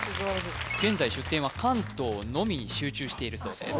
現在出店は関東のみに集中しているそうです